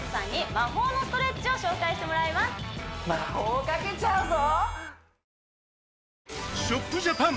魔法をかけちゃうぞ！